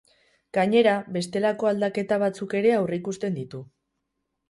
Gainera, bestelako aldaketa batzuk ere aurreikusten ditu.